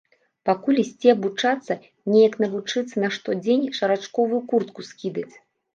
Пакуль ісці абучацца, неяк навучыцца на штодзень шарачковую куртку скідаць.